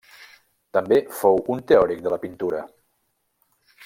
També fou un teòric de la pintura.